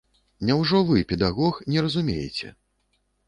Няўжо вы, педагог, не разумееце?